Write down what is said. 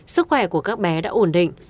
sức khỏe của các bé đã ổn định